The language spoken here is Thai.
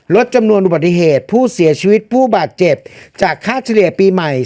ลดจำนวนอุบัติเหตุผู้เสียชีวิตผู้บาดเจ็บจากค่าเฉลี่ยปีใหม่